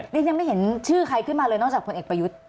ดิฉันยังไม่เห็นชื่อใครขึ้นมาเลยนอกจากผลเอกประยุทธ์